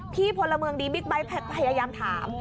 พลเมืองดีบิ๊กไบท์พยายามถาม